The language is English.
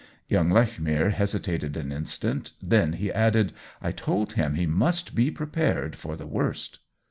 Young Lechmere hesitated an instant, then he added: "I told him he must be prepared for the worst."